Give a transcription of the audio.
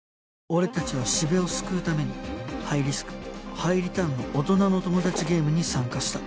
俺たちは四部を救うためにハイリスクハイリターンの大人のトモダチゲームに参加した